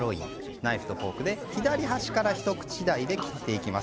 ナイフとフォークで左端からひと口大で切っていきます。